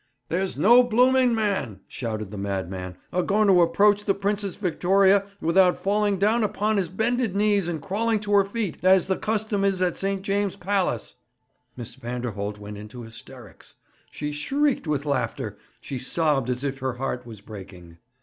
'There's no blooming man,' shouted the madman, 'a going to approach the Princess Victoria without falling down upon his bended knees and crawling to her feet, as the custom is at St. James's Palace!' Miss Vanderholt went into hysterics. She shrieked with laughter; she sobbed as if her heart was breaking.